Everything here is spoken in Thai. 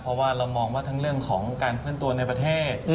เพราะว่าเรามองว่าทั้งเรื่องของการเคลื่อนตัวในประเทศ